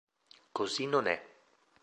Così non è.